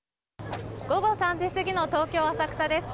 午後３時過ぎの東京・浅草です。